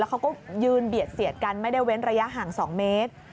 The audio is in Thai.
เขาก็ยืนเบียดเสียดกันไม่ได้เว้นระยะห่าง๒เมตร